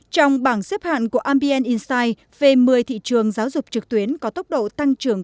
trong bảng xếp hạn của ambient insight về một mươi thị trường giáo dục trực tuyến có tốc độ tăng trưởng